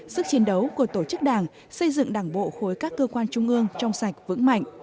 sức chiến đấu của tổ chức đảng xây dựng đảng bộ khối các cơ quan trung ương trong sạch vững mạnh